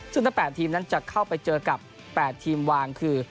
ซึ่งทั้ง๘ทีมนั้นจะเข้าไปเจอกับ๘ทีมวางคือ